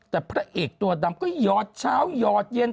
แต่พระเอกตัวดำก็หยอดเช้าหยอดเย็น